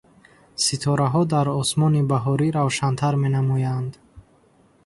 Ситораҳо дар осмони баҳорӣ равшантар менамоянд.